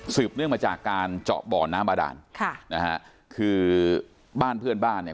เนื่องมาจากการเจาะบ่อน้ำบาดานค่ะนะฮะคือบ้านเพื่อนบ้านเนี่ย